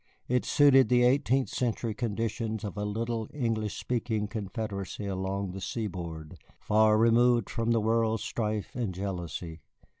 It suited the eighteenth century conditions of a little English speaking confederacy along the seaboard, far removed from the world's strife and jealousy.